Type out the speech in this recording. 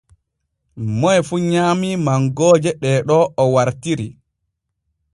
Moy fu nyaamii mangooje ɗee ɗo o wartiri.